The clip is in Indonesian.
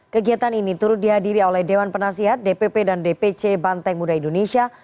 kegiatan ini turut dihadiri oleh dewan penasihat dpp dan dpc banteng muda indonesia